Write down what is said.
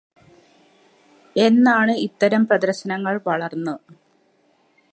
എന്നാണ് ഇത്തരം പ്രദര്ശനങ്ങള് വളര്ന്ന്